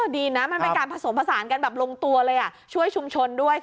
ดีนะมันเป็นการผสมผสานกันแบบลงตัวเลยช่วยชุมชนด้วย